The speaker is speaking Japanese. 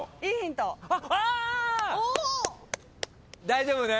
大丈夫ね？